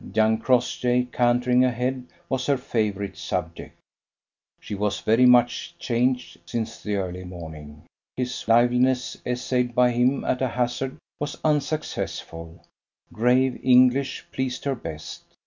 Young Crossjay cantering ahead was her favourite subject. She was very much changed since the early morning: his liveliness, essayed by him at a hazard, was unsuccessful; grave English pleased her best.